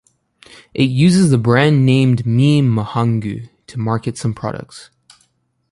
It uses the brand name Meme Mahangu to market some products.